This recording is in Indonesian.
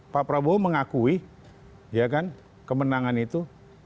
pak prabowo mengakui kemenangan itu